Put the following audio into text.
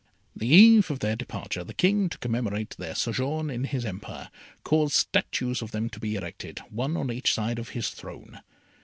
The eve of their departure, the King, to commemorate their sojourn in his empire, caused statues of them to be erected, one on each side of his throne.